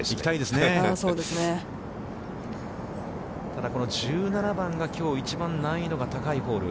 ただ、この１７番が、きょう一番難易度が高いホール。